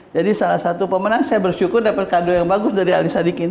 jadi salah satu pemenang saya bersyukur dapat kado yang bagus dari alisa dikin